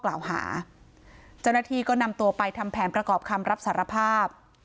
เจ้าหน้าที่ก็นำตัวไปทำแผนประกอบคำรับสารภาพ